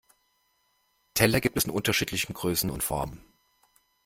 Teller gibt es in unterschiedlichen Größen und Formen.